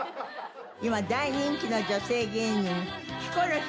今大人気の女性芸人ヒコロヒーさんです。